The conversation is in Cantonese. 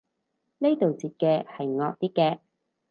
呢度截嘅係惡啲嘅